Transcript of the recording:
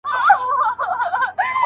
ایا خلک رښتیا وایي؟